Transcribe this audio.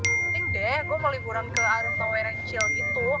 paling enggak gue mau liburan ke arno rensil gitu